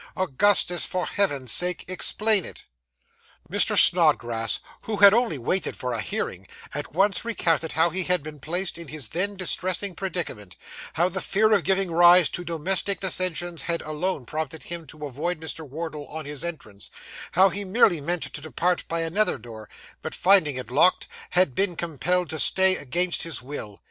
Augustus, for Heaven's sake, explain it!' Mr. Snodgrass, who had only waited for a hearing, at once recounted how he had been placed in his then distressing predicament; how the fear of giving rise to domestic dissensions had alone prompted him to avoid Mr. Wardle on his entrance; how he merely meant to depart by another door, but, finding it locked, had been compelled to stay against his will.